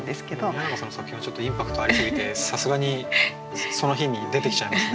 宮永さんの作品はちょっとインパクトありすぎてさすがにその日に出てきちゃいますね。